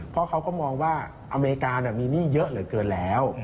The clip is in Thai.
เพราะเขาก็มองว่าอเมริกามีหนี้เยอะเหลือเกินแล้ว